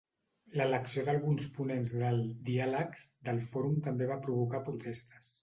L'elecció d'alguns ponents del "diàlegs" del fòrum també van provocar protestes.